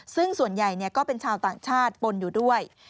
ซึ่งส่วนใหญ่ก็เป็นชาวต่างชาติปนอยู่ด้วย